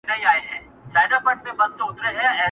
او که هر یو د ځان په غم دی له یخنیه غلی!